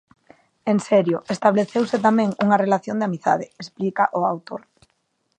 "En serio, estableceuse tamén unha relación de amizade", explica o autor.